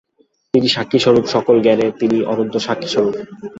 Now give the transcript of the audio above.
তিনি সাক্ষিস্বরূপ, সকল জ্ঞানের তিনি অনন্ত সাক্ষিস্বরূপ।